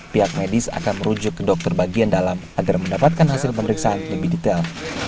pihak medis akan merujuk ke dokter bagian dalam agar mendapatkan hasil pemeriksaan lebih detail